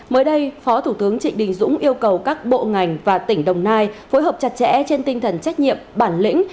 mới đây phó thủ tướng trịnh đình dũng yêu cầu các bộ ngành và tỉnh đồng nai phối hợp chặt chẽ trên tinh thần trách nhiệm bản lĩnh